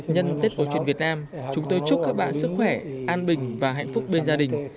nhân tết cổ truyền việt nam chúng tôi chúc các bạn sức khỏe an bình và hạnh phúc bên gia đình